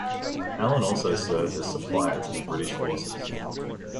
Allan also served as supplier to the British forces.